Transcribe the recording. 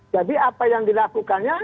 jadi apa yang dilakukannya